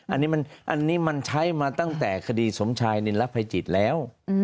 อันนี้มันใช้มาตั้งแต่คดีสมชายนินรักภัยจิตแล้ว